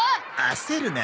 焦るな。